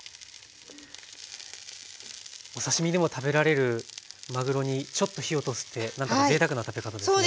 お刺身でも食べられるまぐろにちょっと火を通すってなんかぜいたくな食べ方ですね。